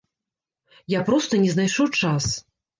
Я проста не знайшоў час.